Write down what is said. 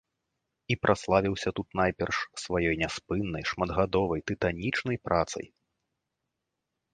І праславіўся тут найперш сваёй няспыннай, шматгадовай, тытанічнай працай.